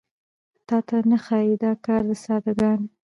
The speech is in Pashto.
تاته نه ښايي دا کار د ساده ګانو